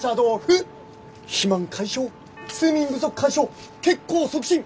肥満解消睡眠不足解消血行促進！